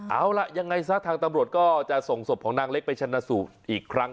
เอาล่ะยังไงซะทางตำรวจก็จะส่งศพของนางเล็กไปชนะสูตรอีกครั้ง